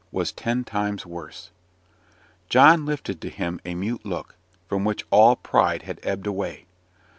was ten times worse. John lifted to him a mute look, from which all pride had ebbed away.